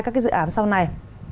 các cái dự án sau này